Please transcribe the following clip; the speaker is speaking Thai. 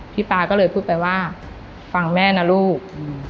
ปาก็เลยพูดไปว่าฟังแม่นะลูกอืม